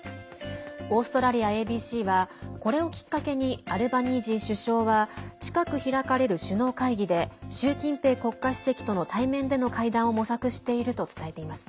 オーストラリアＡＢＣはこれをきっかけにアルバニージー首相は近く開かれる首脳会議で習近平国家主席との対面での会談を模索していると伝えています。